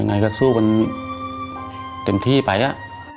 ยังไงก็สู้ไปเต็มที่ไปนะ